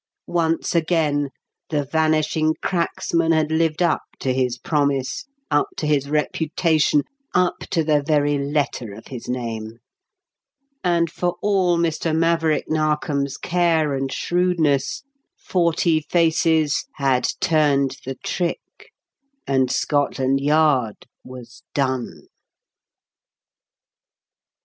Once again the Vanishing Cracksman had lived up to his promise, up to his reputation, up to the very letter of his name, and for all Mr. Maverick Narkom's care and shrewdness, "Forty Faces" had "turned the trick" and Scotland Yard was "done!"